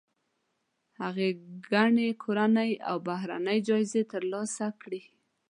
هغې ګڼې کورنۍ او بهرنۍ جایزې ترلاسه کړي.